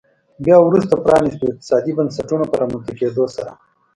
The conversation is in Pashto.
بیا وروسته پرانیستو اقتصادي بنسټونو په رامنځته کېدو سره.